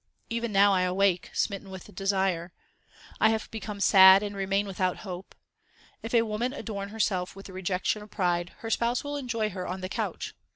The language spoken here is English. Even now I awake smitten with desire : I have become sad, and remain without hope. If woman adorn herself with the rejection of pride, Her Spouse will enjoy her on the couch.